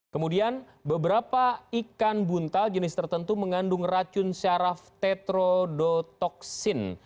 kemudian beberapa ikan buntal jenis tertentu mengandung racun syaraf tetrodotoxin